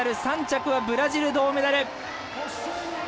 ３着はブラジル、銅メダル。